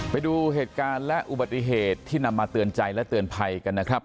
ไปดูเหตุการณ์และอุบัติเหตุที่นำมาเตือนใจและเตือนภัยกันนะครับ